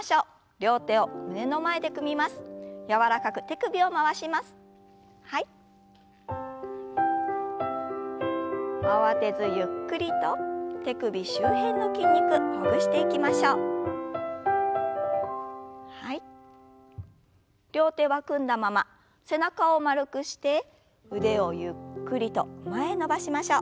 両手は組んだまま背中を丸くして腕をゆっくりと前へ伸ばしましょう。